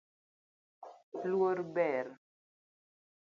Luor ber